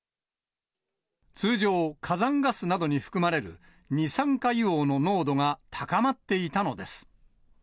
通常、火山ガスなどに含まれる二酸化硫黄の濃度が高まっていたのです。